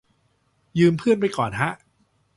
ยืมเพื่อนไปก่อนฮะ